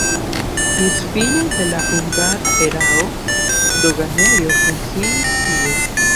Ĝis fine de la hungara erao doganejo funkciis tie.